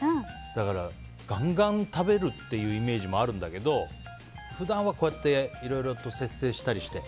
だからガンガン食べるっていうイメージもあるんだけど普段は、こうやっていろいろと節制したりして。